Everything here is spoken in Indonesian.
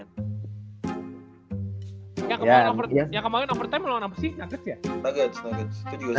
yang kemarin overtime lawan apa sih nuggets ya